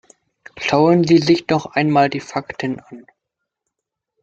Schauen Sie sich doch einmal die Fakten an!